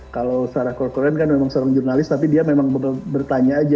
kalau sarah korkoren kan memang seorang jurnalis tapi dia memang bertanya